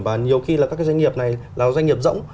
và nhiều khi là các cái doanh nghiệp này là doanh nghiệp rỗng